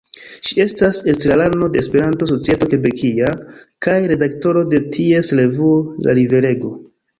Ŝi estas estrarano de "Esperanto-Societo Kebekia" kaj redaktoro de ties revuo "La Riverego".